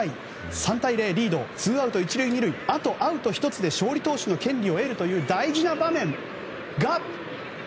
３対０、リードツーアウト１塁２塁あとアウト１つで勝利投手の権利を得るという大事な場面が。